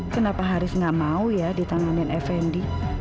kenapa haris nggak mau ya ditanganin fnd